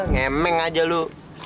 ngemeng aja lo